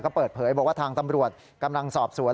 ก็เปิดเผยบอกว่าทางตำรวจกำลังสอบสวน